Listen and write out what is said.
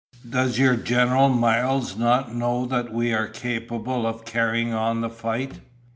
Does your General Miles not know that we are capable of carrying on the fight?"